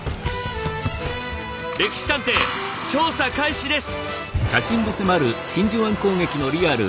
「歴史探偵」調査開始です。